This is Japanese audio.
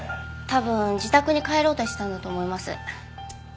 多分自宅に帰ろうとしたんだと思います。